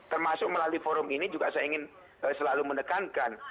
termasuk melalui forum ini juga saya ingin selalu menekankan